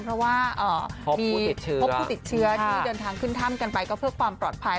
เพราะว่ามีพบผู้ติดเชื้อที่เดินทางขึ้นถ้ำกันไปก็เพื่อความปลอดภัย